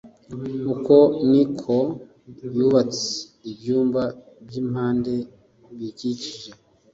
Uko ni ko yubatse ibyumba by’impande biyikikije